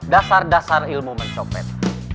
dasar dasar ilmu mencopet